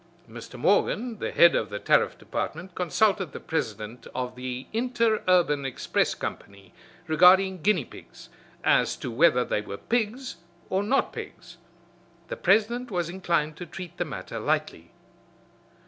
Mr. Morgan, the head of the Tariff Department, consulted the president of the Interurban Express Company regarding guinea pigs, as to whether they were pigs or not pigs. The president was inclined to treat the matter lightly.